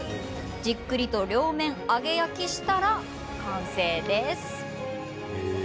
じっくりと両面揚げ焼きしたら完成です。